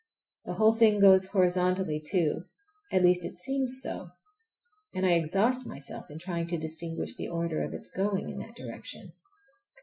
The whole thing goes horizontally, too, at least it seems so, and I exhaust myself in trying to distinguish the order of its going in that direction.